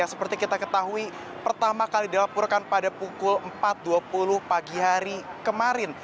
seperti kita ketahui pertama kali dilaporkan pada pukul empat dua puluh pagi hari kemarin